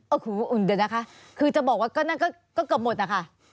โอ้โฮจะบอกว่าก็เกิบหมดนะคะ